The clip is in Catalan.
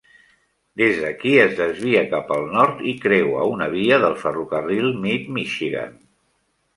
Des d'aquí es desvia cap al nord i creua una via del ferrocarril Mid-Michigan.